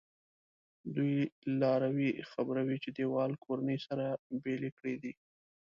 دوی لاروی خبروي چې دیوال کورنۍ سره بېلې کړي دي.